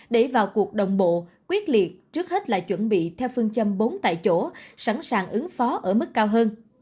để vào cuộc đồng bộ quyết liệt trước hết là chuẩn bị theo phương châm bốn tại chỗ sẵn sàng ứng phó ở mức cao hơn